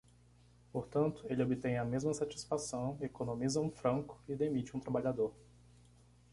Portanto, ele obtém a mesma satisfação, economiza um franco e demite um trabalhador.